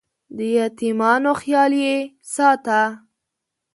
د یتیمانو خیال یې ساته.